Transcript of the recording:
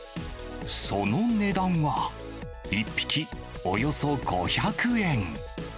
その値段は、１匹およそ５００円。